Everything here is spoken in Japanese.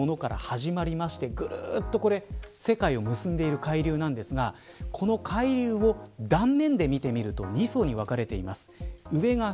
南極の底層水というものから始まってぐるっと世界を結んでいる海流なんですがこの海流を断面で見てみると２層に分かれています。